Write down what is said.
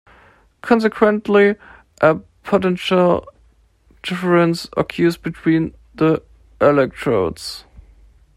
Consequently, a potential difference occurs between the electrodes.